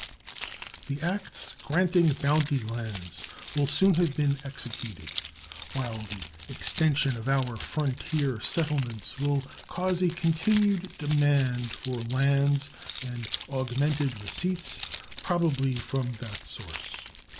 The acts granting bounty lands will soon have been executed, while the extension of our frontier settlements will cause a continued demand for lands and augmented receipts, probably, from that source.